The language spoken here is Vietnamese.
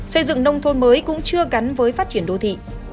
xây dựng nông thôn mới cũng chưa gắn với phát triển đô thị